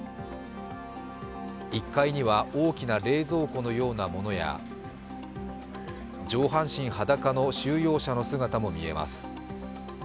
１階には大きな冷蔵庫のようなものや、上半身裸の収容者の姿も見えます。